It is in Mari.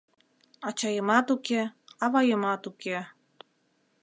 Ачаемат уке, аваемат уке